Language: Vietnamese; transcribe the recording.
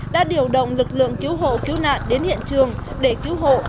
đã điều động lực lượng cứu hộ cứu nạn đến hiện trường để cứu hộ